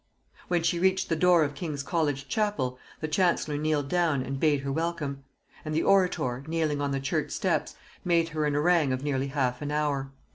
When she reached the door of King's college chapel, the chancellor kneeled down and bade her welcome; and the orator, kneeling on the church steps, made her an harangue of nearly half an hour.